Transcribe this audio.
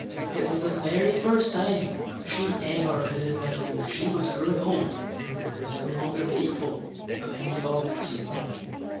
It was the very first time she ever had admitted that she was growing old and was no longer the equal of any Fox.